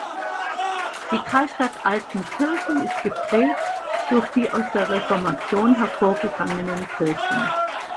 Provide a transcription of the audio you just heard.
Die Kreisstadt Altenkirchen ist geprägt durch die aus der Reformation hervorgegangenen Kirchen.